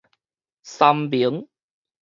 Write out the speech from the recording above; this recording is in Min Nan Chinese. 三明